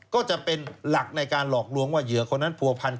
ก็จะเป็นหลักในการหลอกลวงว่าเหยื่อคนนั้นผัวพันธ